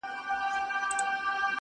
چاته ولیکم بیتونه پر چا وکړمه عرضونه-